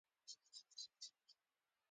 مينې وويل ځکه چې زه يې د ليدو زغم نه لرم.